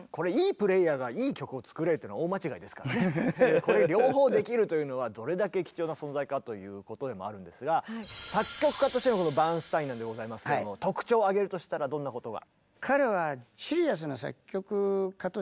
これ両方できるというのはどれだけ貴重な存在かということでもあるんですが作曲家としてのバーンスタインなんでございますけども特徴を挙げるとしたらどんなことが？